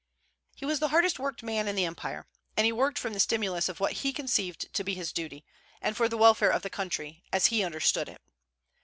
He was the hardest worked man in the empire; and he worked from the stimulus of what he conceived to be his duty, and for the welfare of the country, as he understood it.